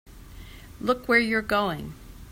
Look where you're going!